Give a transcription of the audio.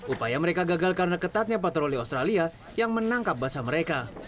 upaya mereka gagal karena ketatnya patroli australia yang menangkap basah mereka